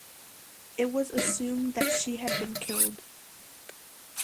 It was assumed that she had been killed.